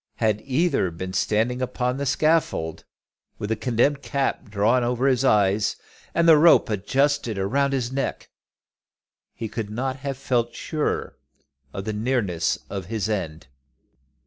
Had either been standing upon the scaffold, with the condemned cap drawn over his eyes and the rope adjusted around his neck, he could not have felt surer of the nearness of his end.